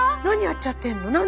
何やっちゃってんの？